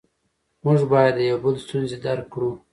موږ باید د یو بل ستونزې درک کړو